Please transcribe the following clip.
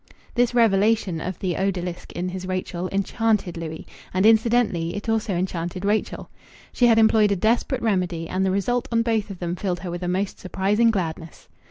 This revelation of the odalisque in his Rachel enchanted Louis, and incidentally it also enchanted Rachel. She had employed a desperate remedy, and the result on both of them filled her with a most surprising gladness.